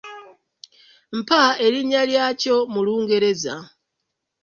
Mpa erinnya lya kyo mu Lungereza?